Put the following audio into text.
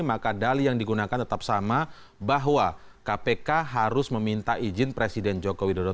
maka dali yang digunakan tetap sama bahwa kpk harus meminta izin presiden joko widodo